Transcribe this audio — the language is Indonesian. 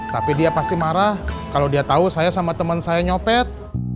tapi dia pasti marah kalau dia tahu saya sama teman saya nyopet